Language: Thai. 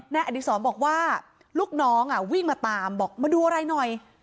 อดีศรบอกว่าลูกน้องวิ่งมาตามบอกมาดูอะไรหน่อย